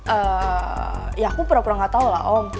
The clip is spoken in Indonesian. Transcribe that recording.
eee ya aku pernah pernah gak tau lah om